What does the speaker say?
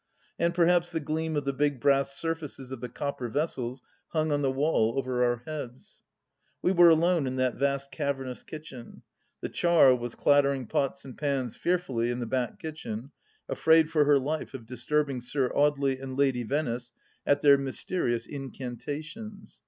And perhaps the gleam of the big brass surfaces of the copper vessels hung on the wall over our heads. ... We were alone in that vast cavernous kitchen. Ihe " char " was clattering pots and pans fearfully in the back kitchen, afraid for her life of disturbing Sir Audely and Lady Venice at their mysterious incantations.